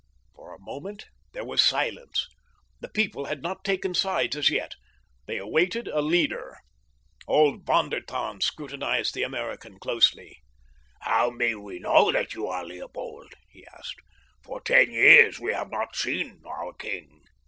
For a moment there was silence. The people had not taken sides as yet. They awaited a leader. Old Von der Tann scrutinized the American closely. "How may we know that you are Leopold?" he asked. "For ten years we have not seen our king."